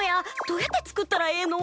どうやって作ったらええの？